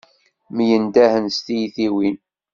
Myendahen s tyitiwin.